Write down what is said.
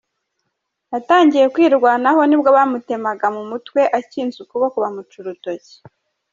Atangiye kwirwanaho nibwo bamutemaga mu mutwe akinze ukuboko bamuca urutoki.